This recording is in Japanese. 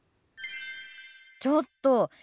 ちょっと！